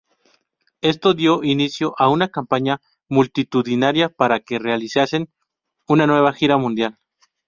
Esto dio inicio a una campaña multitudinaria para que realizasen una nueva gira mundial.